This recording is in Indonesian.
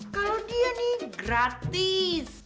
kalau dia nih gratis